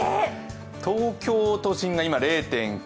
東京都心が今０．９度。